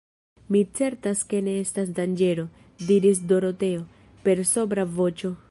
Mi certas ke ne estas danĝero, diris Doroteo, per sobra voĉo.